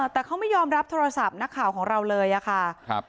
แต่เขาไม่ยอมรับโทรศัพท์นักข่าวของเราเลยอะค่ะ